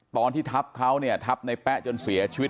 ตอนที่ทับเขาเนี่ยทับในแป๊ะจนเสียชีวิต